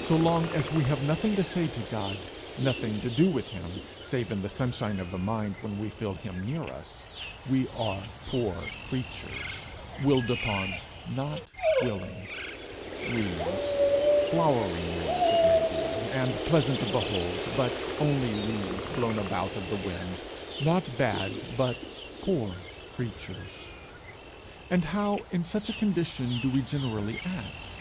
So long as we have nothing to say to God, nothing to do with him, save in the sunshine of the mind when we feel him near us, we are poor creatures, willed upon, not willing; reeds, flowering reeds, it may be, and pleasant to behold, but only reeds blown about of the wind; not bad, but poor creatures. And how in such a condition do we generally act?